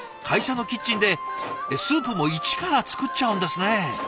会社のキッチンでスープも一から作っちゃうんですね。